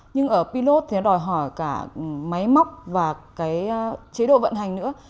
nhưng ở pilot thì nó đòi hỏi cả máy móc và cái chế độ vận hành nữa